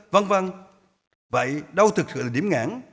vâng vâng vậy đâu thực sự là điểm ngãn